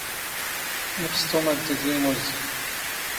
ⵉⵅⵙ ⵜⵓⵎ ⴰⴷ ⴷⵉⴷⵉ ⵉⵎⵓⵣⵣⵍ.